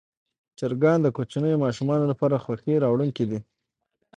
چرګان د کوچنیو ماشومانو لپاره خوښي راوړونکي دي.